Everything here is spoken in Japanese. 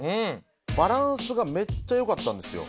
バランスがめっちゃよかったんですよ。